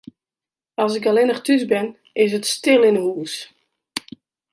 As ik allinnich thús bin, is it stil yn 'e hús.